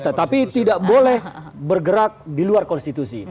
tetapi tidak boleh bergerak di luar konstitusi